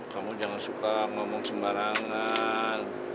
kamu jangan suka ngomong sembarangan